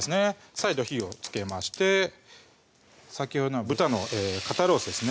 再度火をつけまして先ほどの豚の肩ロースですね